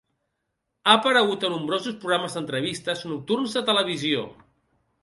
Ha aparegut en nombrosos programes d'entrevistes nocturns de televisió.